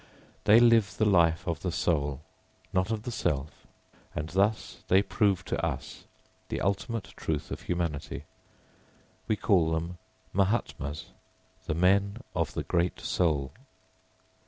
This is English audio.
They live the life of the soul, not of the self, and thus they prove to us the ultimate truth of humanity. We call them Mahātmās, "the men of the great soul."